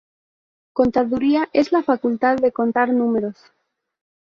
Contaduría es la facultad de contar números